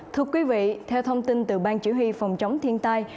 thưa quý vị theo thông tin từ ban chỉ huy phòng chống thiên tai